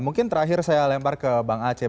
mungkin terakhir saya lempar ke bang acep